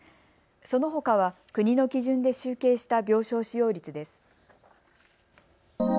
そのほかは国の基準で集計した病床使用率です。